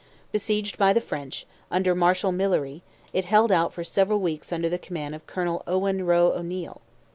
Besieged by the French, under Marshal Millerie, it held out for several weeks under the command of Colonel Owen Roe O'Neil.